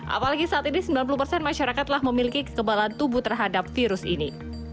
apalagi saat ini sembilan puluh persen masyarakat telah memiliki kekebalan tubuh terhadap virus ini